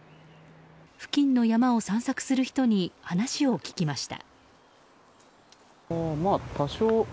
付近の山を散策する人に話を聞きました。